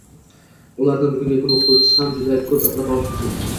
Ulardan bugungi kun oʻquvchisi ham juda koʻp ibrat olishi mumkin